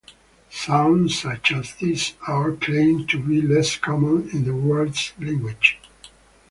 Sounds such as these are claimed to be less common in the world's languages.